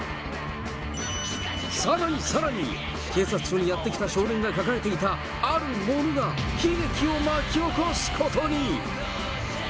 さらにさらに、警察署にやってきた少年が抱えていたあるものが悲劇を巻き起こすことに。